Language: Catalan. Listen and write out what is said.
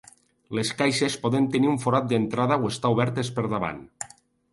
Les caixes poden tenir un forat d'entrada o estar obertes per davant.